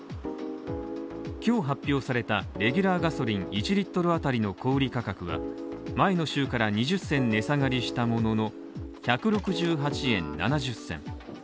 今日発表されたレギュラーガソリン１Ｌあたりの小売価格は前の週から２０銭値下がりしたものの、１６８円７０銭。